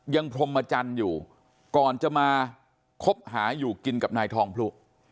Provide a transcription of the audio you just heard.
พรมจันทร์อยู่ก่อนจะมาคบหาอยู่กินกับนายทองพลุ